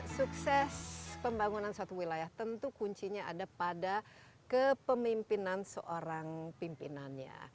sukses pembangunan suatu wilayah tentu kuncinya ada pada kepemimpinan seorang pimpinannya